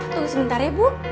tunggu sebentar ya bu